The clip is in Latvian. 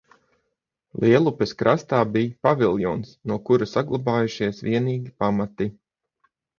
Lielupes krastā bija paviljons, no kura saglabājušies vienīgi pamati.